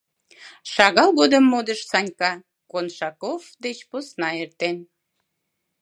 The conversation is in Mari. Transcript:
Шагал годым модыш Санька Коншаков деч посна эртен.